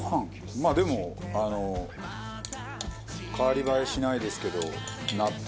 まあでもあの代わり映えしないですけど納豆と。